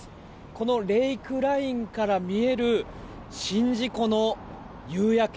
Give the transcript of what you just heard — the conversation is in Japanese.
このレイクラインから見える宍道湖の夕焼け。